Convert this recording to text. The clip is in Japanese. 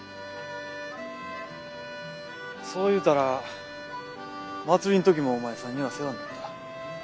そう言うたら祭りの時もお前さんには世話になった。